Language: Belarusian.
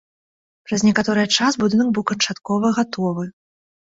Праз некаторы час будынак быў канчаткова гатовы.